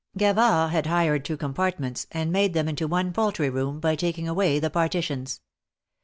Gavard had hired two compartments, and made them into one poultry room by taking away the partitions.